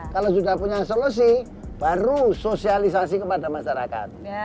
kalau sudah punya solusi baru sosialisasi kepada masyarakat